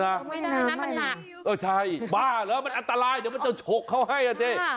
ก็ไม่ได้นะมันหนักเออใช่บ้าเหรอมันอันตรายเดี๋ยวมันจะฉกเขาให้อ่ะสิ